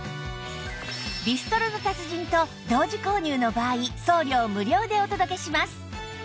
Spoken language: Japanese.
ビストロの達人と同時購入の場合送料無料でお届けします